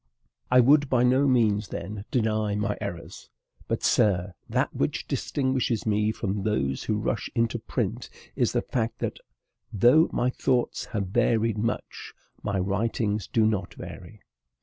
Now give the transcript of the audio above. I would by no means, then, deny my errors; but, sir, that which distinguishes me from those who rush into print is the fact that, though my thoughts have varied much, my writings do not vary.